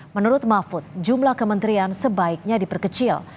menurut mahfud jumlah kementerian sebaiknya diperkecil